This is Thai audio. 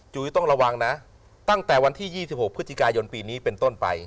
ต้องระวังนะตั้งแต่วันที่๒๖พฤศจิกายนปีนี้เป็นต้นไป